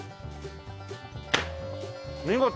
見事！